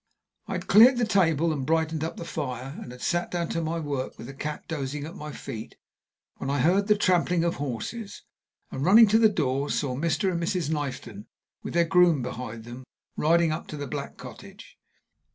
I had cleared the table and brightened up the fire, and had sat down to my work with the cat dozing at my feet, when I heard the trampling of horses, and, running to the door, saw Mr. and Mrs. Knifton, with their groom behind them, riding up to the Black Cottage.